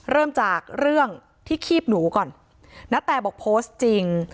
เริ่มจากเรื่องที่คีบหนูก่อนณแตบอกโพสต์จริง